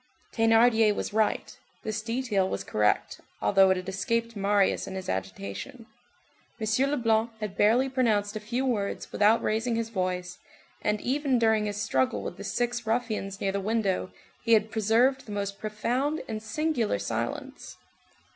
Thénardier was right, this detail was correct, although it had escaped Marius in his agitation. M. Leblanc had barely pronounced a few words, without raising his voice, and even during his struggle with the six ruffians near the window he had preserved the most profound and singular silence.